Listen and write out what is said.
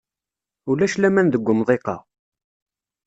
Ulac laman deg umḍiq-a.